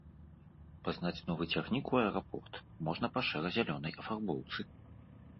Пазнаць новы цягнік у аэрапорт можна па шэра-зялёнай афарбоўцы.